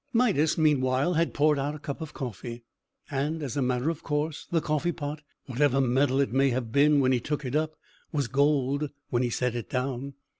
Midas, meanwhile, had poured out a cup of coffee, and, as a matter of course, the Coffee pot, whatever metal it may have been when he took it up, was gold when he set it down.